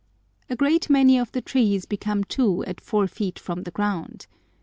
A great many of the trees become two at four feet from the ground.